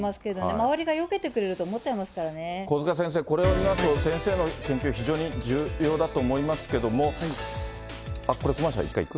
周りがよけてくれると思っちゃい小塚先生、これを見ますと先生の研究、非常に重要だと思いますけれども、これ、コマーシャル一回いく？